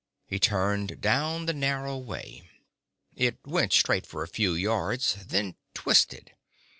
He turned down the narrow way. It went straight for a few yards, then twisted.